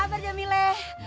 eh apa kabar jamile